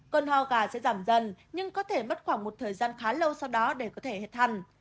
cơn hoa gà sẽ giảm dần nhưng có thể mất khoảng một thời gian khá lâu sau đó để có thể hệt thần